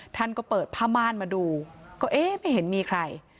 ท่านก็เปิดผ้าม่านมาดูก็เอ๊ะไม่เห็นมีใคร